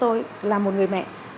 tôi là một người mẹ